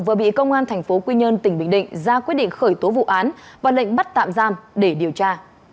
vừa bị công an tp quy nhơn tỉnh bình định ra quyết định khởi tố vụ án và lệnh bắt tạm giam để điều tra